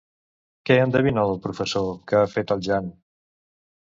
Què endevina el professor que ha fet el Jan?